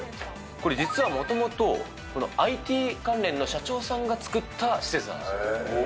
これ、実はもともと、このＩＴ関連の社長さんが作った施設なんです。